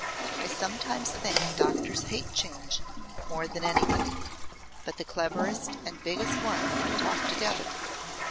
I sometimes think doctors hate change more than anybody. But the cleverest and biggest ones talk together.